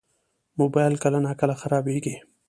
موبایل کله ناکله خرابېږي.